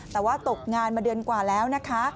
แต่ว่าตกงานมาเดือนกว่าแล้วนะคะ